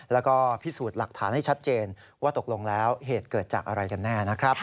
แล้วก็พิสูจน์หลักฐานให้ชัดเจนว่าตกลงแล้วเหตุเกิดจากอะไรกันแน่นะครับ